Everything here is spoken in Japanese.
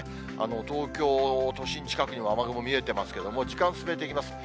東京都心近くには雨雲見えてますけども、時間進めていきます。